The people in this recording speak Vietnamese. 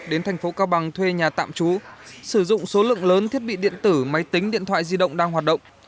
đến thành phố cao bằng thuê nhà tạm trú sử dụng số lượng lớn thiết bị điện tử máy tính điện thoại di động đang hoạt động